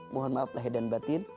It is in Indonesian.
mohon maaf lahir dan batin